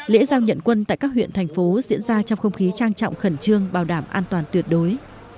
lễ giao nhận quân tại các huyện thành phố diễn ra trong không khí trang trọng khẩn trương bảo đảm an toàn tuyệt đối